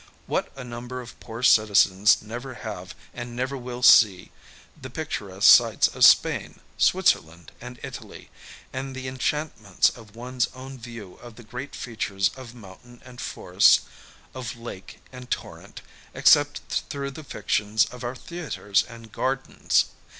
What a number of poor citizens never have and never will see the picturesque sights of Spain, Switzer land, and Italy, and the enchantments of one's own view REVERIE 119 of the great features of mountain and forest^ of lake and torrent, except through the fictions of our theatres and gardens